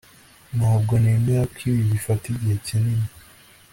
Ntabwo nemera ko ibi bifata igihe kinini